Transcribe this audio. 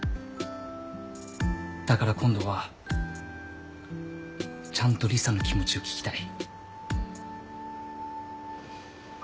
だから今度はちゃんと理沙の気持ちを聞きたい。